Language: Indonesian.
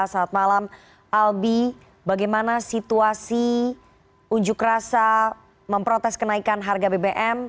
saat malam albi bagaimana situasi unjuk rasa memprotes kenaikan harga bbm